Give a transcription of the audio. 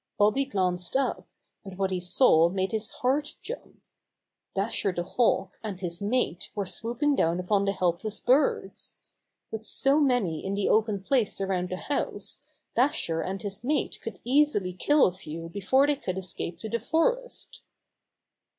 Bobby glanced up, and what he saw made his heart jump. Dasher the Hawk and his mate were swooping down upon the helpless birds. With so many in the open place around the house, Dasher and his mate could easily kill a few before they could escape to the forest.